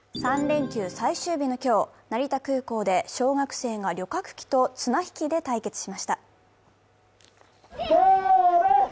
３連休最終日の今日、成田空港で小学生が旅客機と綱引きで対決しました。